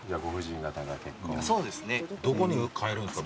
どこで買えるんですか？